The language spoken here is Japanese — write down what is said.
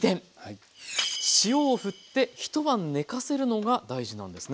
塩を振って一晩寝かせるのが大事なんですね。